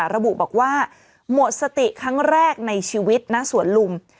ระบุบอกว่าหมดสติครั้งแรกในชีวิตณสวนลุม